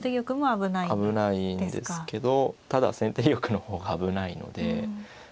危ないんですけどただ先手玉の方が危ないので。